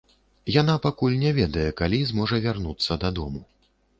Яна пакуль не ведае, калі зможа вярнуцца дадому.